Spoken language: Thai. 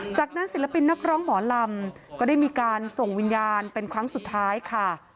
จากนั้นศิลปินนักร้องหมอลำก็ได้มีการส่งวิญญาณเป็นครั้งสุดท้ายค่ะ